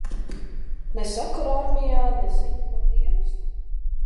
Ne sakaru armijā, ne ziņu par dienestu?